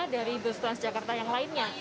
dari bus transjakarta yang lainnya